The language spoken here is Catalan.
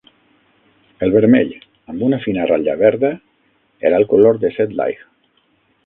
El vermell, amb una fina ratlla verda, era el color de Sedleigh.